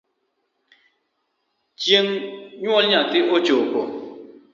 Chieng’ nyuol nyathi ochopo